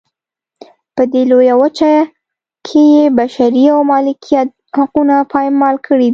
په دې لویه وچه کې یې بشري او مالکیت حقونه پایمال کړي دي.